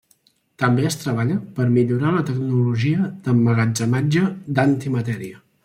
També es treballa per millorar la tecnologia d'emmagatzematge d'antimatèria.